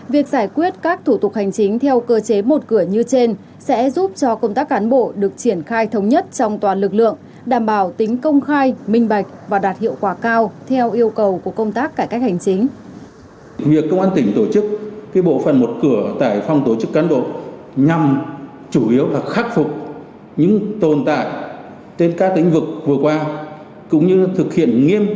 việc giải quyết các thủ tục hành chính theo cơ chế một cửa như trên sẽ giúp cho công tác cán bộ được triển khai thống nhất trong toàn lực lượng